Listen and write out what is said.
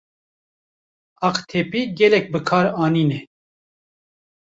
Aqtepî gelek bi kar anîne.